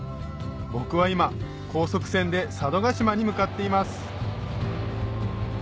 僕は今高速船で佐渡島に向かっています